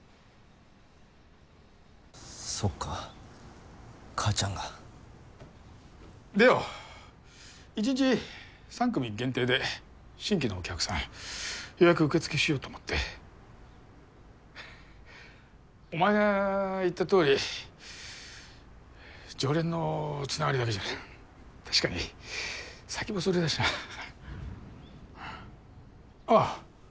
そっか母ちゃんがでよ１日３組限定で新規のお客さん予約受付しようと思ってお前が言ったとおり常連のつながりだけじゃ確かに先細りだしなあっ